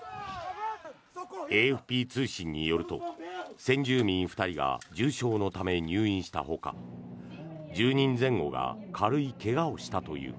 ＡＦＰ通信によると先住民２人が重傷のため入院したほか１０人前後が軽い怪我をしたという。